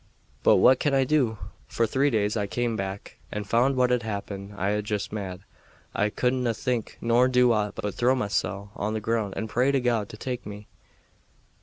But what can I do? For three days after I cam' back and found what had happened I was just mad. I couldna think nor rest, nor do aught but throw mysel' on the ground and pray to God to tak' me.